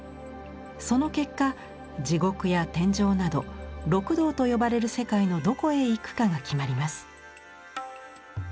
その結果地獄や天上など六道と呼ばれる世界のどこへ行くかが決まります。